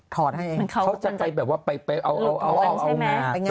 ทอดให้เองเขาจะไปเอางา